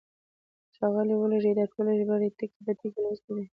ښاغلي ولیزي دا ټولې ژباړې ټکی په ټکی لوستې دي.